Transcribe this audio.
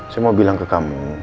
saya mau bilang ke kamu